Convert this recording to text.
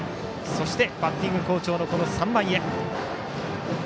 そしてバッティング好調の３番へ。